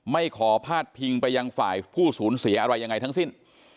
ไม่ขอพาดพิงไปยังฝ่ายผู้สูญเสียอะไรยังไงทั้งสิ้น